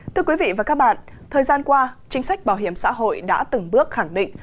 thưa quý vị và các bạn thời gian qua chính sách bảo hiểm xã hội đã từng bước khẳng định